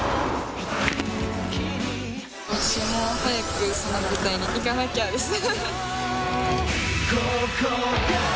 私も早くその舞台に行かなきゃですね。